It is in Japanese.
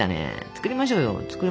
作りましょう。